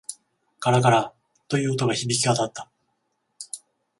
ガラガラ、という音が響き渡った。